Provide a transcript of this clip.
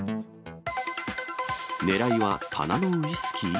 狙いは棚のウイスキー？